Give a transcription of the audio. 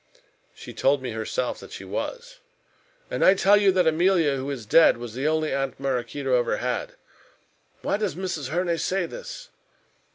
"She told me herself that she was." "And I tell you that Emilia, who is dead, was the only aunt Maraquito ever had. Why does Mrs. Herne say this?"